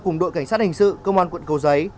cùng đội cảnh sát hình sự công an quận cầu giấy